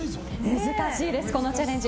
難しいです、このチャレンジ。